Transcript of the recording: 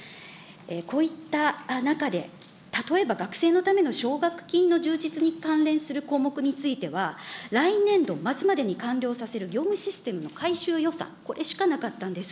こういった中で、例えば学生のための奨学金の充実に関連する項目については、来年度末までに完了させる業務システムの改修予算、これしかなかったんです。